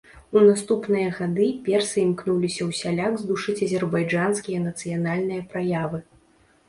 У наступныя гады персы імкнуліся ўсяляк здушыць азербайджанскія нацыянальныя праявы.